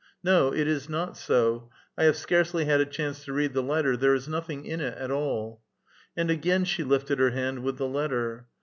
'* No, it is not so ; I have scarcely had a chance to read the letter ; there is nothing in it at all." And again she lifted her hand with the letter.